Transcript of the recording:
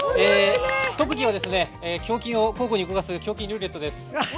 特技は胸筋を交互に動かす胸筋ルーレットです。